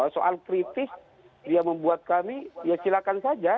soal kritis yang membuat kami ya silakan saja